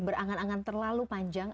berangan angan terlalu panjang